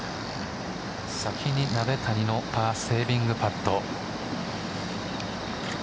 先に鍋谷のパーセービングパット。